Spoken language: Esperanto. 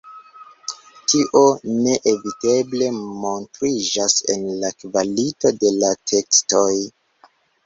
Tio neeviteble montriĝas en la kvalito de la tekstoj.